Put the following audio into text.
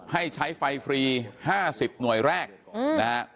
ให้ใช้ไฟฟรี๕๐หน่วยแรกนะฮะ